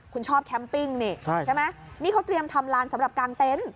คุณชอบแคมปิ้งนี่ใช่ไหมนี่เขาเตรียมทำลานสำหรับกางเต็นต์